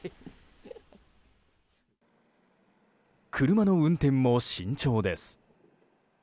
車の運転も慎重です。